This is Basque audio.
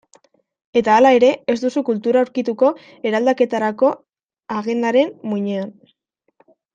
Eta hala ere, ez duzu kultura aurkituko eraldaketarako agendaren muinean.